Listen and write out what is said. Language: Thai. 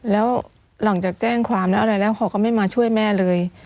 แล้วหลังจากแจ้งความแล้วอะไรแล้วเขาก็ไม่มาช่วยแม่เลย